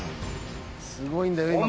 すごいんだよ今から。